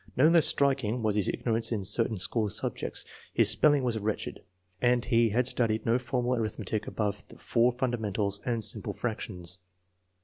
No less striking was his ignorance in certain school subjects. His spelling was wretched, and he had studied no formal arithmetic above the four fundamentals and simple fractions.